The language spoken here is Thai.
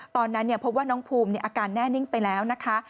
ตอนนั้นพบว่าน้องภูมิอาการแน่นิ่งไปแล้วนะคะ